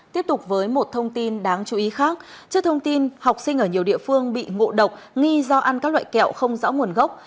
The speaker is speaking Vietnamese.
trước thông tin học sinh ở nhiều địa phương bị ngộ độc nghi do ăn các loại kẹo không rõ nguồn gốc